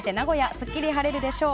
すっきり晴れるでしょう。